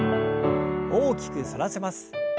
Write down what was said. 大きく反らせます。